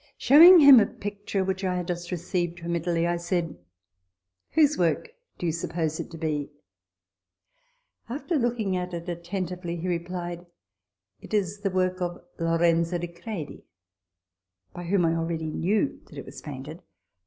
Showing him a picture which I had just received from Italy, I said, " Whose work do you suppose it to be ?" After looking at it attentively, he replied, "It is the work of Lorenzo di Credi " (by whom I already knew that it was painted).